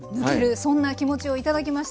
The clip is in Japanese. そんな気持ちを頂きました。